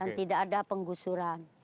dan tidak ada penggusuran